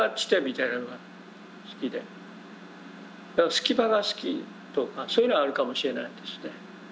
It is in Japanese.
隙間が好きとかそういうのはあるかもしれないですね。